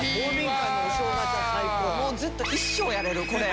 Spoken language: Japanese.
もうずっと一生やれるこれ。